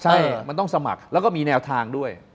ใช่มันต้องสมัครแล้วก็มีแนวทางด้วย